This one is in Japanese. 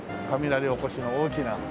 雷おこしの大きな。